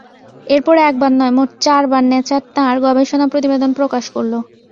এরপর একবার নয়, মোট চারবার নেচার তাঁর গবেষণা প্রতিবেদন প্রকাশ করল।